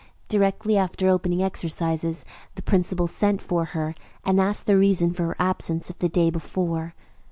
Directly after opening exercises the principal sent for her and asked the reason for her absence of the day before.